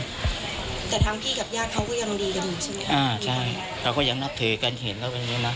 แต่ทั้งพี่กับญาติเขาก็ยังดีกันอยู่ใช่ไหมอ่าใช่เราก็ยังนับถือกันเห็นแล้วกันอย่างเงี้นะ